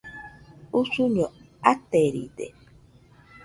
Usuño ateride